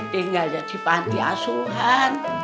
tinggal di pantai asuhan